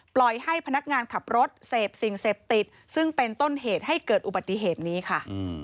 ปล่อยให้พนักงานขับรถเสพสิ่งเสพติดซึ่งเป็นต้นเหตุให้เกิดอุบัติเหตุนี้ค่ะ